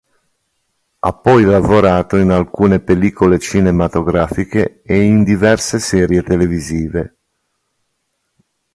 Ha poi lavorato in alcune pellicole cinematografiche e in diverse serie televisive.